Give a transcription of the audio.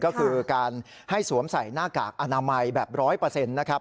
ก็คือการให้สวมใส่หน้ากากอนามัยแบบ๑๐๐นะครับ